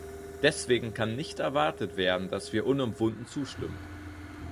Deswegen kann nicht erwartet werden, dass wir unumwunden zustimmen.